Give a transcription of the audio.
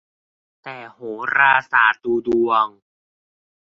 แต่โหราศาสตร์ดูดวง